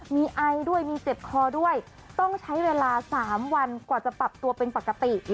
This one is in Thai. มีไอด้วยมีเจ็บคอด้วยต้องใช้เวลา๓วันกว่าจะปรับตัวเป็นปกติ